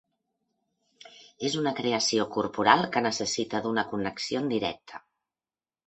És una creació corporal que necessita d'una connexió en directe.